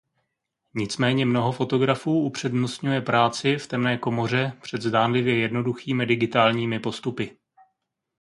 Nicméně mnoho fotografů upřednostňuje práci v temné komoře před zdánlivě jednoduchými digitálními postupy.